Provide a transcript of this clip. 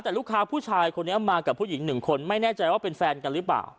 แต่ลูกค้าผู้ชายคนนี้มากับผู้หญิงหนึ่งคนไม่แน่ใจว่าเป็นแฟนกันหรือเปล่า